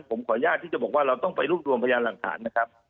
ผมขออนุญาตที่จะบอกว่าเราต้องไปรวบรวมพยานหลักฐานนะครับ